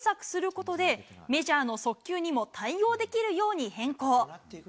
左足の上げ幅を小さくすることで、メジャーの速球にも対応できるように変更。